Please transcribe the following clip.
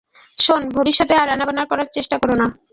শোন, ভবিষ্যতে আর রান্নাবান্নার চেষ্টা করো না।